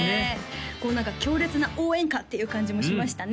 こう何か強烈な応援歌っていう感じもしましたね